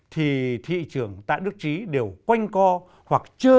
thì thị trường tại nước trí đều quanh co hoặc chất vấn